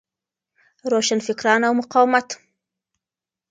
روشنفکران او مقاومت